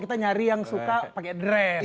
kita nyari yang suka pakai dress